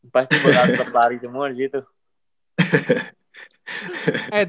pasti boleh langsung lari semua di situ